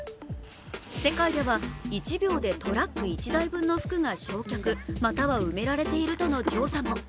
世界では１秒でトラック１台分の服が焼却、または埋められているとの調査も。